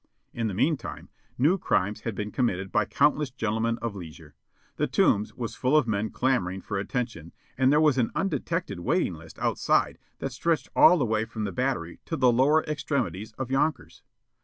In the meantime, new crimes had been committed by countless gentlemen of leisure; the Tombs was full of men clamoring for attention, and there was an undetected waiting list outside that stretched all the way from the Battery to the lower extremities of Yonkers.